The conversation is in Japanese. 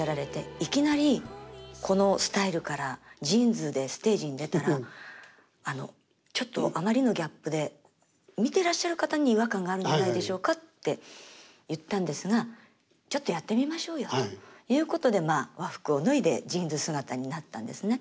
「いきなりこのスタイルからジーンズでステージに出たらちょっとあまりのギャップで見てらっしゃる方に違和感があるんじゃないでしょうか？」って言ったんですが「ちょっとやってみましょうよ」っていうことでまあ和服を脱いでジーンズ姿になったんですね。